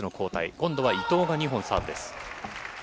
今度は伊藤が２本サーブです。